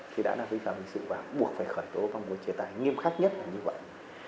khi đã là vi phạm hình sự và buộc phải khởi tố bằng một chế tài nghiêm khắc nhất là như vậy